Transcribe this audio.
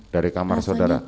dari kamar saudara